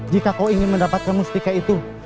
jika kau ingin mendapatkan mustika itu